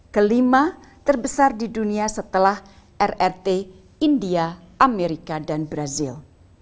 kelima terbesar di dunia setelah rrt india amerika dan brazil